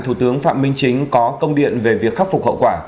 thủ tướng phạm minh chính có công điện về việc khắc phục hậu quả